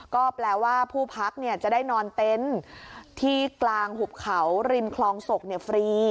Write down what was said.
ก็แปลว่าผู้พักจะได้นอนเต็นต์ที่กลางหุบเขาริมคลองศกฟรี